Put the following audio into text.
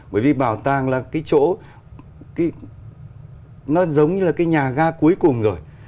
bởi vì bảo tàng là cái chỗ nó giống như là cái nhà ga cuối cùng rồi